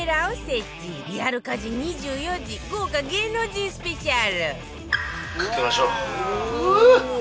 リアル家事２４時豪華芸能人スペシャルかけましょう。